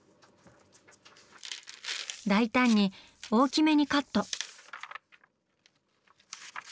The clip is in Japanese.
大胆に大きめにカット。